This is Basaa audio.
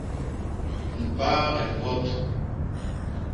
Mpaage mbot.